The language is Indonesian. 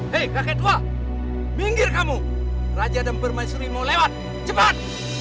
hei kakek tua minggir kamu raja dan permaisuri mau lewat cepat